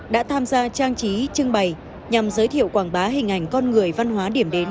đã tham gia trang trí trưng bày nhằm giới thiệu quảng bá hình ảnh con người văn hóa điểm đến